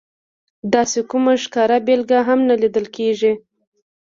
داسې کومه ښکاره بېلګه هم نه لیدل کېږي.